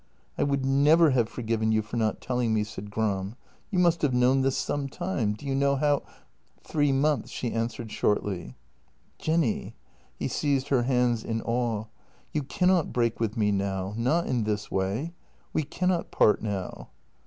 " I would never have forgiven you for not telling me," said Gram. " You must have known this some time. Do you know how ...?"" Three months," she answered shortly. " Jenny "— he seized her hands in awe —" you cannot break with me now — not in this way. We cannot part now."